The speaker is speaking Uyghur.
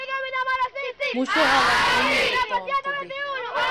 مۇشۇ ھالەت ئون يىلدەك داۋام قىلدى.